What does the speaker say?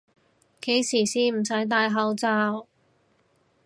幾時先唔使戴口罩？